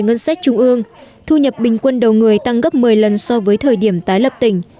ngân sách trung ương thu nhập bình quân đầu người tăng gấp một mươi lần so với thời điểm tái lập tỉnh